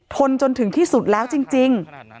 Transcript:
ทนจนถึงที่สุดแล้วจริง